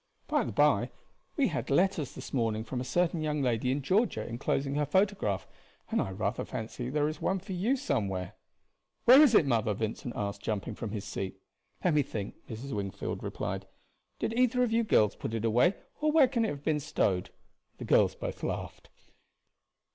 By the by, we had letters this morning from a certain young lady in Georgia inclosing her photograph, and I rather fancy there is one for you somewhere." "Where is it, mother?" Vincent asked, jumping from his seat. "Let me think," Mrs. Wingfield replied. "Did either of you girls put it away, or where can it have been stowed?" The girls both laughed.